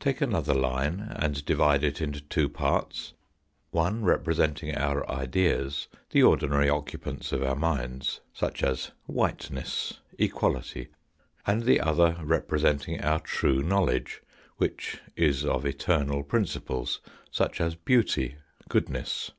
Take another line and divide it into two parts, one representing our ideas, the ordinary occupants of our minds, such as whiteness, equality, and the other repre senting our true knowledge, which is of eternal principles, such "as beauty, goodness.